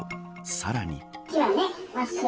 さらに。